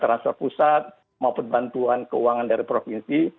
dan transpor pusat maupun bantuan keuangan dari provinsi